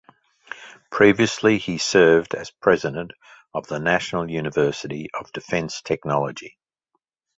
Previously he served as President of the National University of Defense Technology.